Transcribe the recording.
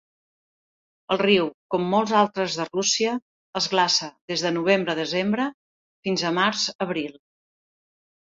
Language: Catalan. El riu, com molts altres de Rússia, es glaça des de novembre-desembre fins a març-abril.